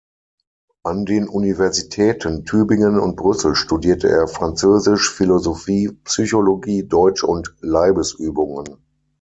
An den Universitäten Tübingen und Brüssel studierte er Französisch, Philosophie, Psychologie, Deutsch und Leibesübungen.